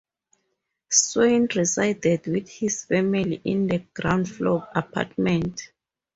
Swane resided with his family in the ground floor apartment.